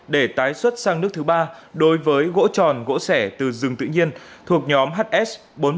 để tái xuất sang nước thứ ba đối với gỗ tròn gỗ sẻ từ rừng tự nhiên thuộc nhóm hs